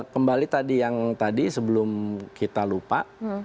kembali tadi yang tadi sebelum kita lupa